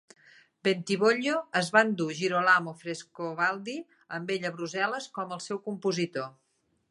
Bentivoglio es va endur Girolamo Frescobaldi amb ell a Brussel·les com el seu compositor.